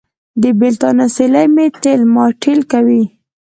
د بېلتانه سیلۍ مې تېل ماټېل کوي.